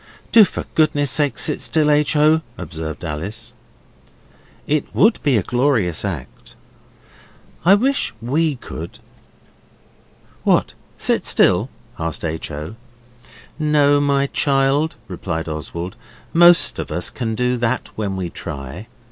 'Do for goodness sake sit still, H. O.,' observed Alice. 'It would be a glorious act! I wish WE could.' 'What, sit still?' asked H. O. 'No, my child,' replied Oswald, 'most of us can do that when we try.